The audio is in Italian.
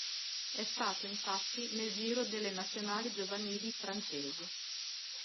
È stato infatti nel giro delle Nazionali giovanili francesi.